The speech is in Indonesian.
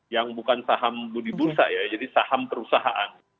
yang bukan saham budi bursa ya jadi saham perusahaan